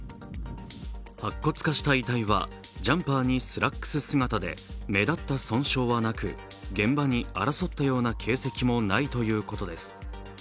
白骨化した遺体はジャンパーにスラックス姿で目立った損傷はなく現場に争ったような形跡もないということです。